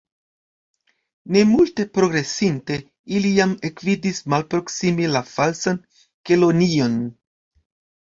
Ne multe progresinte, ili jam ekvidis malproksime la Falsan Kelonion.